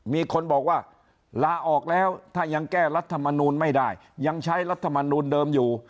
มีคนบอกว่าลาออกแล้วถ้ายังแก้รัฐมนูลไม่ได้ยังใช้รัฐมนูลเดิมอยู่